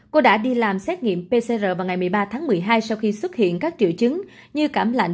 cô đã đi làm xét nghiệm pcr vào ngày một mươi ba tháng một mươi hai sau khi xuất hiện các triệu chứng như cảm lạnh